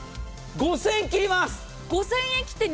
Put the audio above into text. ５０００円切ります。